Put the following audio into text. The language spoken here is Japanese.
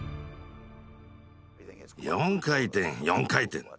４回転４回転！